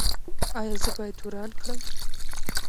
ایا زه باید وران کړم؟